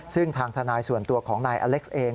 ซึ่งทางทนายส่วนตัวของนายอเล็กซ์เอง